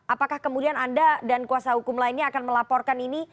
apakah kemudian anda dan kuasa hukum lainnya akan melaporkan ini